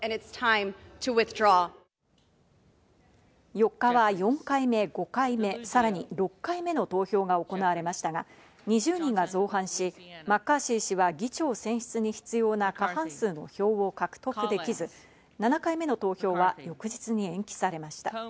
４日は４回目、５回目、さらに６回目の投票が行われましたが、２０人が造反し、マッカーシー氏は議長選出に必要な過半数の票を獲得できず、７回目の投票は翌日に延期されました。